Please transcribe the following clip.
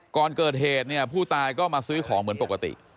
ก่อนเกิดเหตุเนี่ยผู้ตายก็มาซื้อของเหมือนปกติ